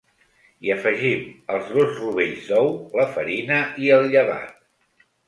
Hi afegim els dos rovells d’ou, la farina i el llevat.